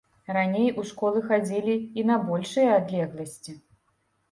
Раней у школы хадзілі і на большыя адлегласці.